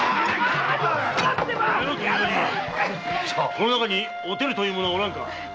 この中に“おてる”という者はおらんか？